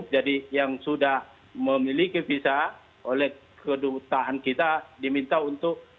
jadi yang sudah memiliki visa oleh kedutaan kita diminta untuk menutupkan